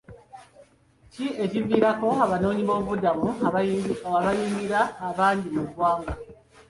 Ki ekiviirako abanoonyiboobubudamu abayingira abangi mu ggwanga?